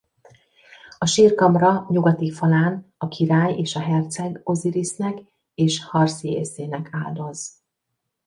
A sírkamra nyugati falán a király és a herceg Ozirisznek és Harsziészének áldoz.